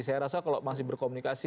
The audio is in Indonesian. saya rasa kalau masih berkomunikasi